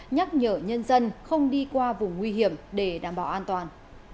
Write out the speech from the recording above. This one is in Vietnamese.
nhắc nhở nhân dân không đi qua vùng nguy hiểm để đảm bảo an toàn